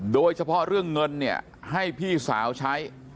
โดยเฉพาะเรื่องเงินเนี่ยให้พี่สาวใช้